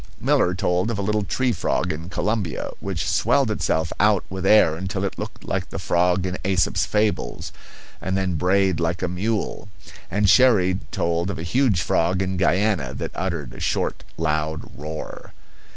Miller told of a little tree frog in Colombia which swelled itself out with air until it looked like the frog in Aesop's fables, and then brayed like a mule; and Cherrie told of a huge frog in Guiana that uttered a short, loud roar.